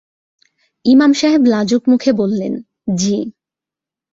ইমাম সাহেব লাজুক মুখে বললেন, জ্বি।